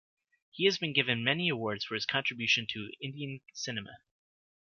He has been given many awards for his contribution to Indian Cinema.